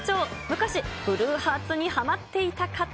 昔、ブルーハーツにはまっていた方。